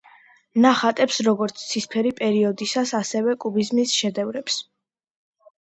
ნახატებს როგორც ცისფერი პერიოდისას, ასევე კუბიზმის შედევრებს.